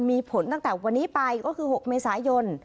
มีผลตั้งแต่วันนี้ไปก็คือ๖เมษายน